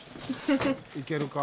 いけるか？